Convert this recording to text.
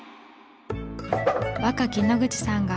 若き野口さんがえ！